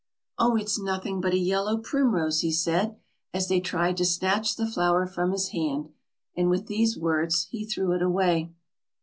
"Oh, it's nothing but a yellow primrose," he said, as they tried to snatch the flower from his hand; and with these words he threw it away.